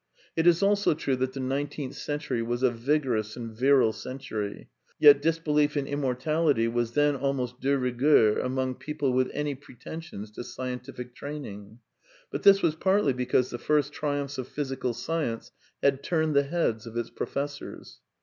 It is also true that the nineteenth century was a vigorous and virile century ; yet disbelief in immortality was then almost de rigueur among people with any pretensions to scientific training. But this was partly because the first triumphs of physical science had turned the heads of its professors.